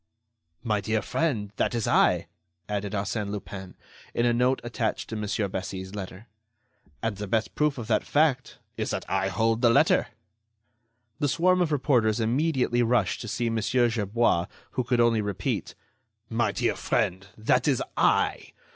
"My Dear Friend! that is I," added Arsène Lupin, in a note attached to Mon. Bessy's letter. "And the best proof of that fact is that I hold the letter." The swarm of reporters immediately rushed to see Mon. Gerbois, who could only repeat: "My Dear Friend! that is I....